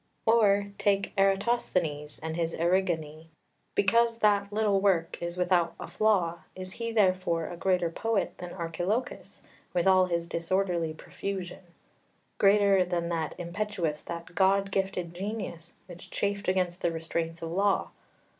5 Or take Eratosthenes and his Erigone; because that little work is without a flaw, is he therefore a greater poet than Archilochus, with all his disorderly profusion? greater than that impetuous, that god gifted genius, which chafed against the restraints of law?